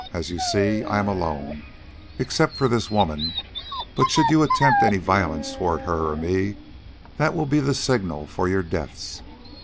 As you see, I am alone, except for this woman, but should you attempt any violence towards her or me, that will be the signal for your deaths.